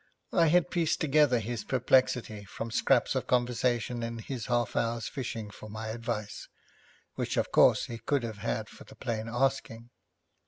I had pieced together his perplexity from scraps of conversation in his half hour's fishing for my advice, which, of course, he could have had for the plain asking.